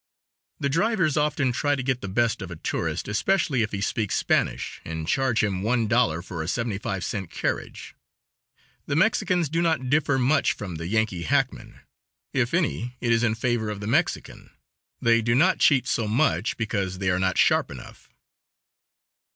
The drivers often try to get the best of a tourist, especially if he speaks Spanish, and charge him one dollar for a seventy five cent carriage. The Mexicans do not differ much from the Yankee hackman. If any, it is in favor of the Mexican. They do not cheat so much, because they are not sharp enough.